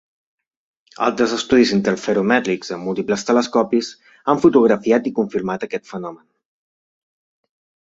Altres estudis interferomètrics amb múltiples telescopis han fotografiat i confirmat aquest fenomen.